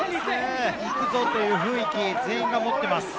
行くぞ！という雰囲気、全員が持っています。